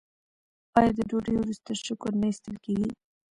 آیا د ډوډۍ وروسته شکر نه ایستل کیږي؟